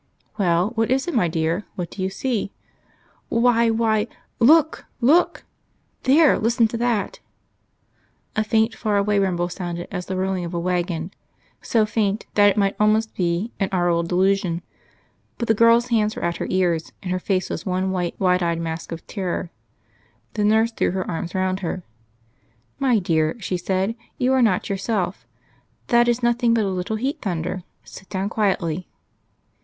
"Well, what is it, my dear? What do you see?" "Why, why ... look! look! There, listen to that." A faint far away rumble sounded as the rolling of a waggon so faint that it might almost be an aural delusion. But the girl's hands were at her ears, and her face was one white wide eyed mask of terror. The nurse threw her arms round her. "My dear," she said, "you are not yourself. That is nothing but a little heat thunder. Sit down quietly."